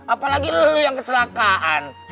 apalagi lu yang kecelakaan